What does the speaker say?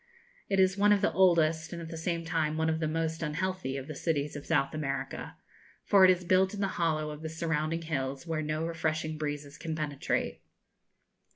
It is one of the oldest, and, at the same time, one of the most unhealthy, of the cities of South America, for it is built in the hollow of the surrounding hills, where no refreshing breezes can penetrate.